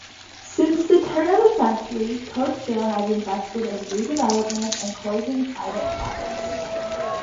Since the turn of the century, Coatesville has invested in redevelopment, encouraging private projects.